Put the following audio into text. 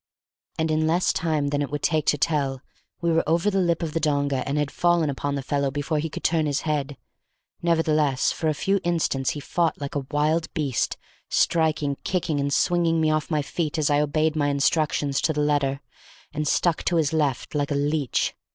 And in less time than it would take to tell, we were over the lip of the donga and had fallen upon the fellow before he could turn his head; nevertheless, for a few instants he fought like a wild beast, striking, kicking, and swinging me off my feet as I obeyed my instructions to the letter, and stuck to his left like a leech.